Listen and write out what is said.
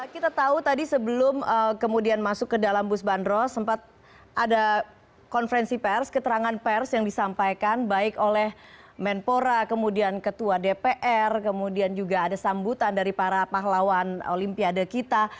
kita tahu tadi sebelum kemudian masuk ke dalam bus bandro sempat ada konferensi pers keterangan pers yang disampaikan baik oleh menpora kemudian ketua dpr kemudian juga ada sambutan dari para pahlawan olimpiade kita